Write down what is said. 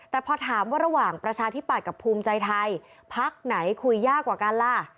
แต่พอถามว่าระหว่างประชาธิปัตย์กับภูมิใจไทยพักไหนคุยยากกว่ากันล่ะ